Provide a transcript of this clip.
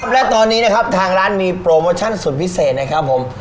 และตอนนี้นะครับทางร้านมีโปรโมชั่นสุดพิเศษนะครับผม